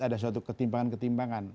ada suatu ketimbangan ketimbangan